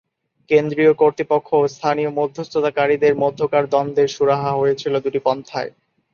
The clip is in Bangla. কেন্দ্রীয় কর্তৃপক্ষ ও স্থানীয় মধ্যস্থতাকারীদের মধ্যকার দ্বন্দ্বের সুরাহা হয়েছিল দুটি পন্থায়।